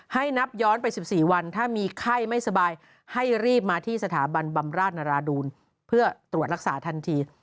ให้รีบมาที่สถาบันบำราชนาราดูนเพื่อตรวจรักษาทันที